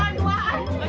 pemahaman pelurin kan